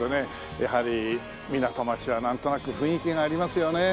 やはり港町はなんとなく雰囲気がありますよね。